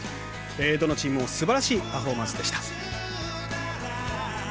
どのチームもすばらしいパフォーマンスでした。